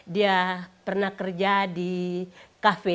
dia pernah kerja di kafe